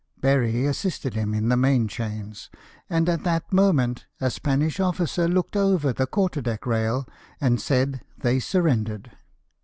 " Berry assisted him into the main chains, and at that moment a Spanish officer looked over the quarterdeck rail and said they surrendered.